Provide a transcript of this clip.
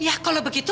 ya kalau begitu